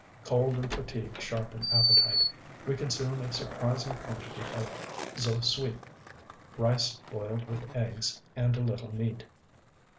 Cold and fatigue sharpen appetite: we consume a surprising quantity of Z┼Ź sui, rice boiled with eggs and a little meat.